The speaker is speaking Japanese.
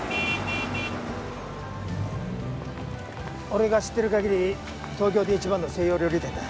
俺が知ってる限り東京で一番の西洋料理店だ。